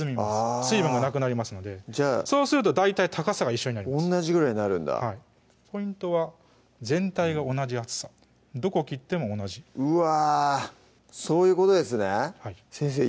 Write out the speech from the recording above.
あ水分がなくなりますのでそうすると大体高さが一緒になります同じぐらいになるんだポイントは全体が同じ厚さどこ切っても同じうわそういうことですね先生